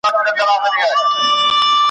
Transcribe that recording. ما په کړوپه ملا کړه ځان ته د توبې دروازه بنده `